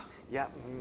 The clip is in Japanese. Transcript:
うん。